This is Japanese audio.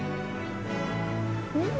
うん！